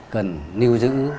cần nưu giữ